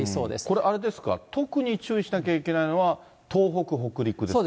これ、あれですか、特に注意しなきゃいけないのは、東北、北陸ですか？